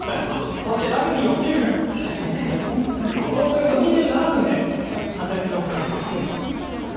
そしてラグビーを９分そうすると２７分で３００ｋｃａｌ達成です。